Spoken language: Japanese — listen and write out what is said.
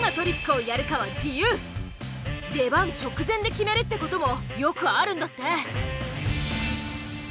出番直前で決めるってこともよくあるんだって。